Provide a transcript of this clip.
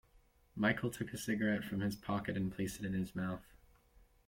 Michael took a cigarette from his pocket and placed it in his mouth.